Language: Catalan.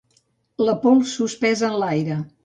La pols suspesa en l'aire.